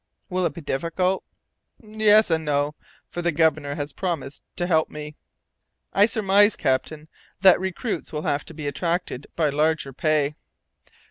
"Will it be difficult?" "Yes and no; for the Governor has promised to help me." "I surmise, captain, that recruits will have to be attracted by larger pay."